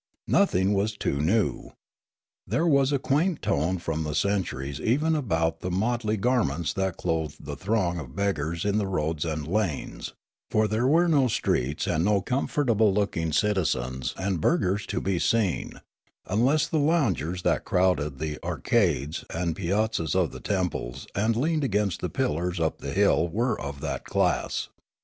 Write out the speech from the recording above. Nothing was too new. There was a quaint tone from the centuries even about the motley garments that clothed the throng of beggars in the roads and lanes ; for there were no streets and no com fortable looking citizens and burghers to be seen, unless the loungers that crowded the arcades and piaz zas of the temples and leaned against the pillars up the hill were of that class.